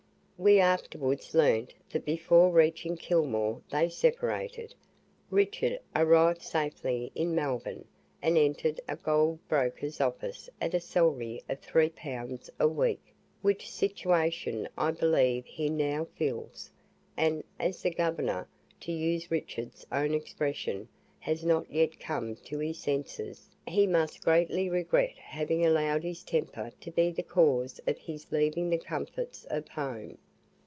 We afterwards learnt that before reaching Kilmore they separated. Richard arrived safely in Melbourne, and entered a goldbroker's office at a salary of three pounds a week, which situation I believe he now fills; and as "the governor," to use Richard's own expression, "has not yet come to his senses," he must greatly regret having allowed his temper to be the cause of his leaving the comforts of home.